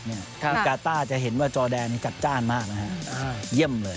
ฮุกกาต้าจะเห็นว่าจอดแดนจัดจ้านมากนะครับ